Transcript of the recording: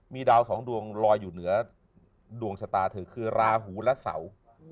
มีดาวสองดวงลอยอยู่เหนือดวงชะตาเธอคือราหูและเสา